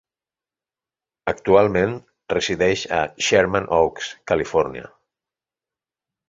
Actualment resideix a Sherman Oaks, Califòrnia.